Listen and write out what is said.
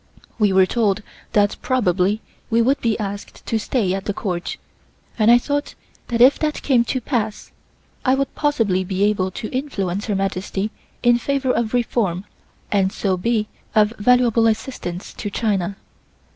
We were told that probably we would be asked to stay at the Court, and I thought that if that came to pass, I would possibly be able to influence Her Majesty in favor of reform and so be of valuable assistance to China.